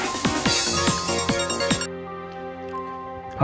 gue gak mau